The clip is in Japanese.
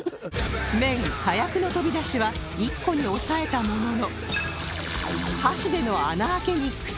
麺・カヤクの飛び出しは１個に抑えたものの